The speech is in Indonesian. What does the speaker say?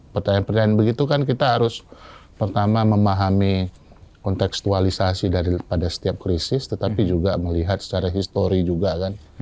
pertanyaan pertanyaan begitu kan kita harus pertama memahami konteksualisasi daripada setiap krisis tetapi juga melihat secara histori juga kan